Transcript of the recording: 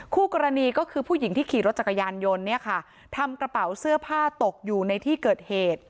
คู่กรณีก็คือผู้หญิงที่ขี่รถจักรยานยนต์เนี่ยค่ะทำกระเป๋าเสื้อผ้าตกอยู่ในที่เกิดเหตุ